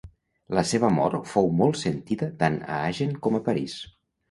La seva mort fou molt sentida tant a Agen com a París.